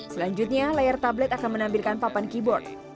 selanjutnya layar tablet akan menampilkan papan keyboard